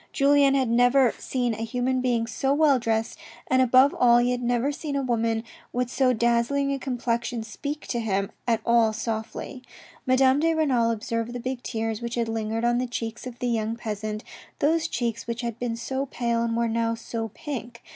Julien had never seen a human being so well dressed, and above all he had never seen a woman with so dazzling a complexion speak to him at all softly. Madame de Renal observed the big tears which had lingered on the cheeks of the young peasant, those cheeks which had been so pale and were now so pink.